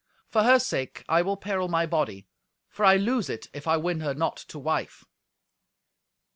For her sake I will peril my body, for I lose it if I win her not to wife."